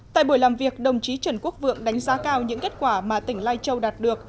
tại buổi làm việc đồng chí trần quốc vượng đánh giá cao những kết quả mà tỉnh lai châu đạt được